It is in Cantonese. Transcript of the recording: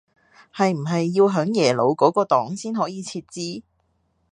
係唔係要向耶魯嗰個檔先可以設置